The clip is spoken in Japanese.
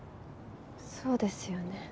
そうですよね。